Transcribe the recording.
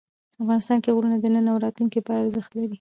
افغانستان کې غرونه د نن او راتلونکي لپاره ارزښت لري.